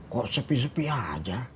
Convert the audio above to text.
kok sepi sepi saja